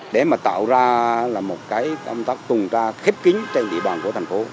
để mà tạo ra một công tác tuần tra khiếp kính trên địa bàn của thành phố